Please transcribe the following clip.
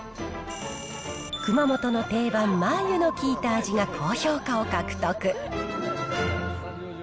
熊本の定番、マー油の効いた味が高評価を獲得。